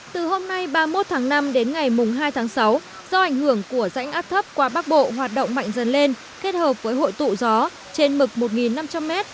từ hôm nay ba mươi một tháng năm đến ngày hai tháng sáu do ảnh hưởng của rãnh áp thấp qua bắc bộ hoạt động mạnh dần lên kết hợp với hội tụ gió trên mực một năm trăm linh m